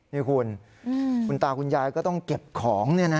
นี่คุณคุณตาคุณยายก็ต้องเก็บของ